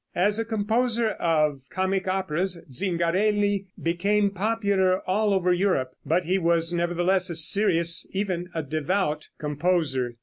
As a composer of comic operas Zingarelli became popular all over Europe, but he was nevertheless a serious, even a devout composer.